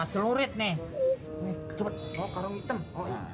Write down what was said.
senjata pangkas telurit nih